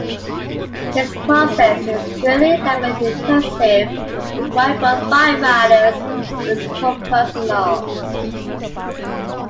This process is extremely labor-intensive, requiring both firefighters and support personnel.